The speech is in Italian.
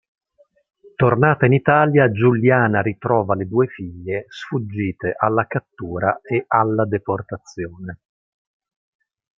Tornata in Italia Giuliana ritrova le due figlie sfuggite alla cattura e alla deportazione.